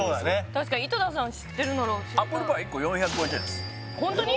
確かに井戸田さん知ってるならアップルパイ１個４５０円ですはいホントに？